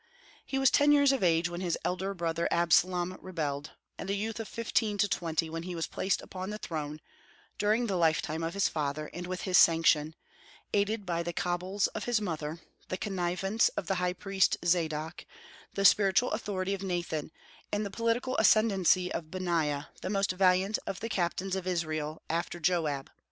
He was ten years of age when his elder brother Absalom rebelled, and a youth of fifteen to twenty when he was placed upon the throne, during the lifetime of his father and with his sanction, aided by the cabals of his mother, the connivance of the high priest Zadok, the spiritual authority of Nathan, and the political ascendency of Benaiah, the most valiant of the captains of Israel after Joab.